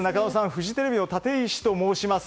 フジテレビの立石と申します。